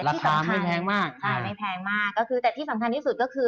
ราคาไม่แพงมากแต่ที่สำคัญที่สุดคือ